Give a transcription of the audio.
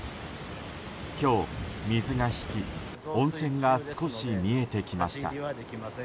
今日、水が引き温泉が少し見えてきました。